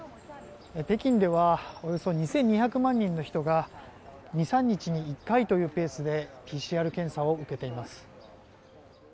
北京ではおよそ２２００万人の人が２３日に１回というペースでＰＣＲ検査を受けています。